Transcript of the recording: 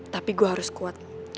tapi gue harus kuat